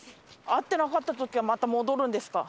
合ってなかった時はまた戻るんですか？